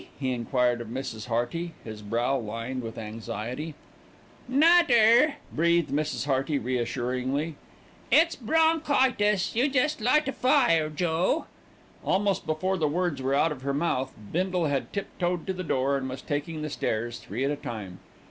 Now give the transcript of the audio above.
he enquired of Mrs. Hearty, his brow lined with anxiety. "Not 'er," breathed Mrs. Hearty reassuringly. "It's bronchitis. You just light a fire, Joe." Almost before the words were out of her mouth, Bindle had tip toed to the door and was taking the stairs three at a time.